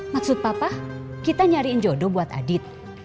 maksud papa kita nyariin jodoh buat adit